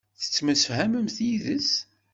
Ttemsefhament yid-s.